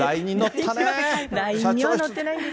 ラインには乗ってないんです。